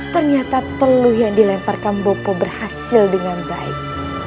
ternyata teluh yang dilemparkan bopo berhasil dengan baik